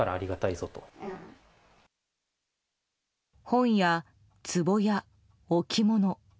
本や、つぼや、置き物。